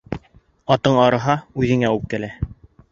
Атың арыһа, үҙеңә үпкәлә.